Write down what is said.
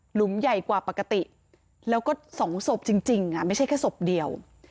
หุมใหญ่กว่าปกติแล้วก็๒ศพจริงไม่ใช่แค่ศพเดียว